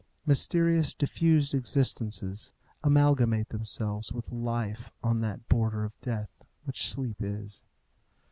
Mysterious, diffused existences amalgamate themselves with life on that border of death, which sleep is.